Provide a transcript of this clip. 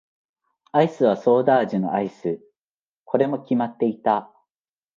アイスはソーダ味のアイス。これも決まっていた。